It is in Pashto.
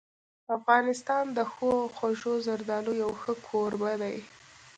افغانستان د ښو او خوږو زردالو یو ښه کوربه دی.